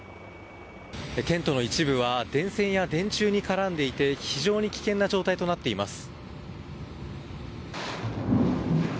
テントの一部は電線や電柱に絡んでいて非常に危険な状態となっています。